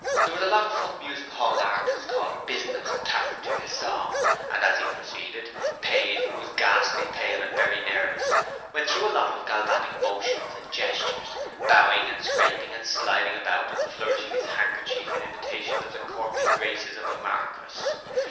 There was a lot of what music hall artists call 'business' attached to his song, and as he proceeded, Payne, who was ghastly pale and very nervous, went through a lot of galvanic motions and gestures, bowing and scraping and sliding about and flourishing his handkerchief in imitation of the courtly graces of the Marquis.